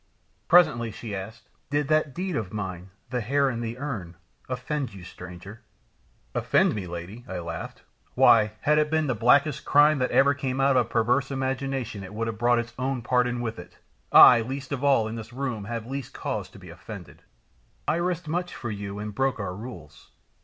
Presently she asked, "Did that deed of mine, the hair in the urn, offend you, stranger?" "Offend me, lady!" I laughed. "Why, had it been the blackest crime that ever came out of a perverse imagination it would have brought its own pardon with it; I, least of all in this room, have least cause to be offended." "I risked much for you and broke our rules."